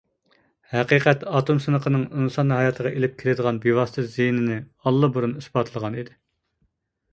ھەقىقەت، ئاتوم سىنىقىنىڭ ئىنسان ھاياتىغا ئېلىپ كېلىدىغان بىۋاسىتە زىيىنىنى ئاللا بۇرۇن ئىسپاتلىغان ئىدى.